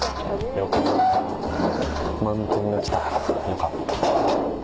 よかった。